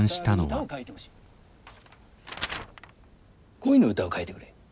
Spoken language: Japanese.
恋の歌を書いてくれ。